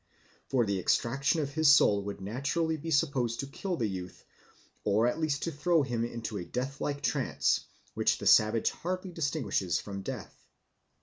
For the extraction of his soul would naturally be supposed to kill the youth or at least to throw him into a death like trance, which the savage hardly distinguishes from death.